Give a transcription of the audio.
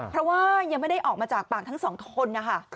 เพราะว่ายังไม่ได้ออกมาจากปากทั้งสองคนนะคะ